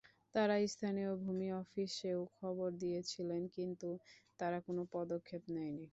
তাঁরা স্থানীয় ভূমি অফিসেও খবর দিয়েছিলেন, কিন্তু তারা কোনো পদক্ষেপ নেয়নি।